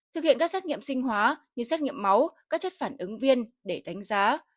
thực hiện các xét nghiệm sinh hóa như xét nghiệm máu các chất phản ứng viên để đánh giá